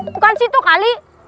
bukan situ kali